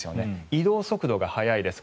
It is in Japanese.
移動速度が速いです。